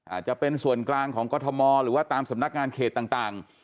อาจจะเป็นส่วนกลางของกรทมหรือว่าตามสำนักงานเขตต่าง